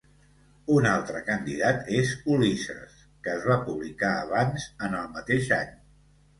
Un altre candidat és "Ulisses", que es va publicar abans en el mateix any.